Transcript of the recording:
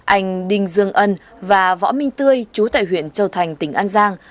anh đinh dương ân và võ minh tươi chú tại huyện châu thành tỉnh an giang